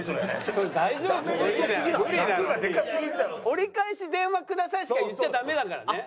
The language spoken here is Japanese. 「折り返し電話ください」しか言っちゃダメだからね。